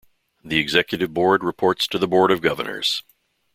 The Executive Board reports to the Board of Governors.